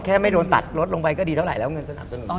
ไม่โดนตัดลดลงไปก็ดีเท่าไหแล้วเงินสนับสนุน